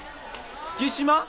月島？